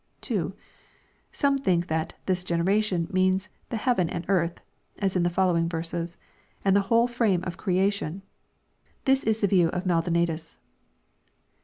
2. Some think tliat " this generation" means " the heaven and earth," (as in the following verses,) and the whole frame of crea tion. This is the view of Maldonatus.